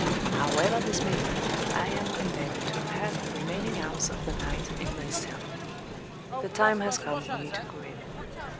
However this may be, I am condemned to pass the remaining hours of the night in my cell. The time has come for me to go in.